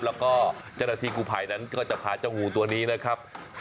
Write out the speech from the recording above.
แล้วก็เจ้าหน้าที่กูภัยนั้นก็จะพาเจ้างูตัวนี้นะครับ